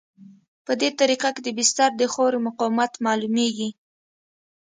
په دې طریقه کې د بستر د خاورې مقاومت معلومیږي